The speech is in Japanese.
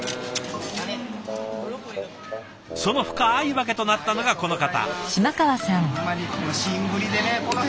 その深い訳となったのがこの方。